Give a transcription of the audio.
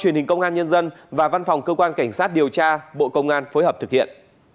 truyền hình công an nhân dân và văn phòng cơ quan cảnh sát điều tra bộ công an phối hợp thực hiện